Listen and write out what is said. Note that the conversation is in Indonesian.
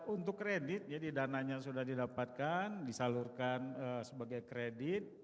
untuk kredit jadi dananya sudah didapatkan disalurkan sebagai kredit